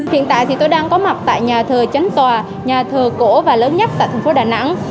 hiện tại thì tôi đang có mặt tại nhà thờ chánh tòa nhà thờ cổ và lớn nhất tại thành phố đà nẵng